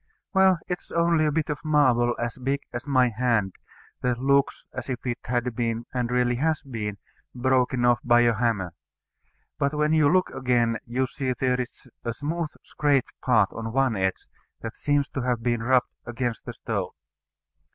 Well, it is only a bit of marble as big as my hand, that looks as if it had been, and really has been, broken off by a hammer. But when you look again, you see there is a smooth scraped part on one edge, that seems to have been rubbed against a stone.